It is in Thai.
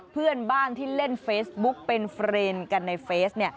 เพื่อนบ้านที่เล่นเฟซบุ๊กเป็นเฟรนด์กันในเฟซ